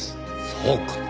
そうか。